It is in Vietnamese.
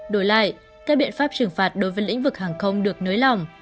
đổi lại các biện pháp trừng phạt đối với lĩnh vực hàng không được nới lỏng